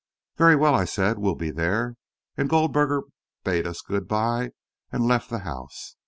"Very well," I said; "we'll be there," and Goldberger bade us good bye, and left the house.